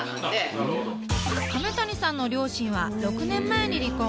亀谷さんの両親は６年前に離婚。